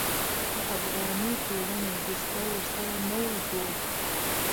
د افغاني ټولنې بستر ورسره نه و جوړ.